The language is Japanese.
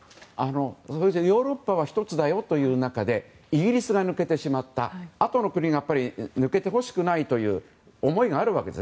ヨーロッパは１つだよという中でイギリスが抜けてしまったあとの国が抜けてほしくないという思いがあるわけです。